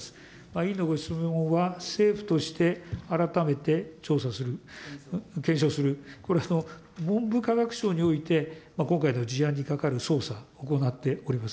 委員のご質問は、政府として改めて調査する、検証する、これは文部科学省において、今回の事案に係る捜査、行っております。